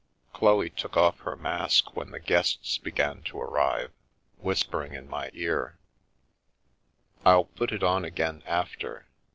Chloe took off her mask when the guests began to ar rive, whispering in my ear :" I'll put it on again after.